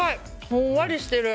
ふんわりしてる。